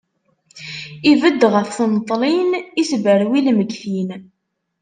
Ibedd ɣef tneṭlin, isberwi lmeggtin.